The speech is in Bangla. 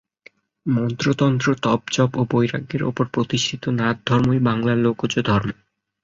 মন্ত্রতন্ত্র, তপজপ ও বৈরাগ্যের ওপর প্রতিষ্ঠিত নাথ ধর্মই বাংলার লোকজ ধর্ম।